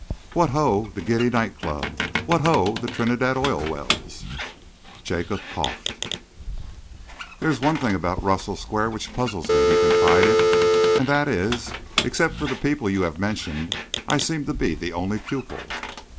What ho the giddy night club! What ho the Trinidad Oil Wells!" Jacob coughed. "There is one thing about Russell Square which puzzles me," he confided, "and that is, except for the people you have mentioned, I seem to be the only pupil."